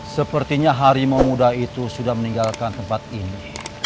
sepertinya harimau muda itu sudah meninggalkan tempat ini